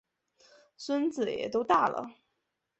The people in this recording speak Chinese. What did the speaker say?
孙子也都大了